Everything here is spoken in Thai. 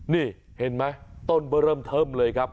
นี่เห็นไหมต้นเบอร์เริ่มเทิมเลยครับ